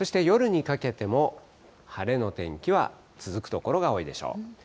そして夜にかけても晴れの天気は続く所が多いでしょう。